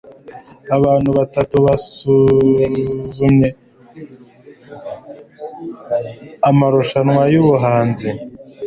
abantu batatu basuzumye amarushanwa yubuhanzi